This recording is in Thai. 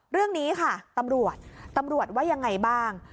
เรื่องนี้ค่ะตำรวจตำรวจว่ายังไงบ้าง